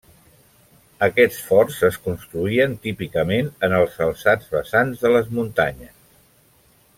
Aquests forts es construïen típicament en els alçats vessants de les muntanyes.